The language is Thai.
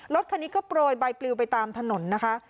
รถคันนี้ก็โปรยใบปลิวไปตามถนนนะคะ